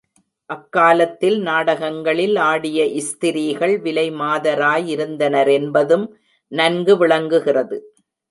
அக் காலத்தில் நாடகங்களில் ஆடிய ஸ்திரீகள் விலைமாதராயிருந்தனரென்பதும் நன்கு விளங்குகிறது.